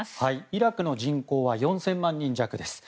イラクの人口は４０００万人弱です。